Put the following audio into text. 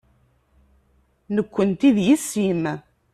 Nekkenti d yessi-m.